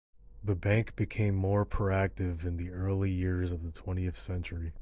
The Bank became more proactive in the early years of the twentieth century.